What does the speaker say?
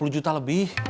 dua puluh juta lebih